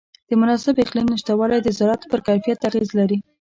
د مناسب اقلیم نهشتوالی د زراعت پر کیفیت اغېز لري.